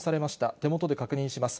手元で確認します。